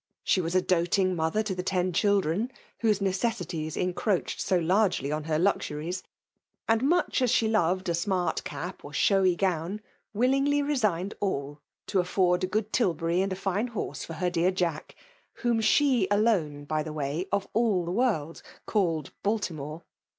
She was a doating mother to the ten children, whose necessities encroached so largely on her luxuries ; and much as she loved a smart cap or showy gown, willingly resigned all, to afford a good tilbury and a fine horse to her dear Jack, whom she alone, by the way, of all the world, called Baltimore